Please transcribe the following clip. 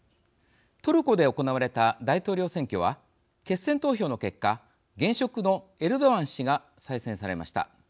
トルコで行われた大統領選挙は決選投票の結果現職のエルドアン氏が再選されました。